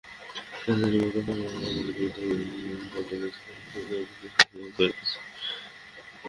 নাইজেরিয়ায় Boko হারামের জঙ্গিদের বিরুদ্ধে অভিযান চালিয়ে যাচ্ছে ক্যামেরুনের র্যাপিড ইন্টারভেনশন ব্যাটালিয়ন।